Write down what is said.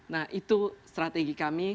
nah itu strategi kami